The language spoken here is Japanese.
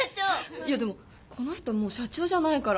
いやでもこの人もう社長じゃないから。